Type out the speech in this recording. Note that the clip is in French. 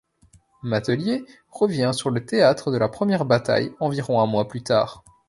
Matelief revient sur le théâtre de la première bataille environ un mois plus tard.